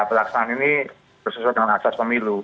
pelaksanaan ini sesuai dengan asas pemilu